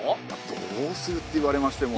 どうするって言われましても。